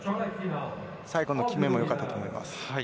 最後のきめもよかったと思います。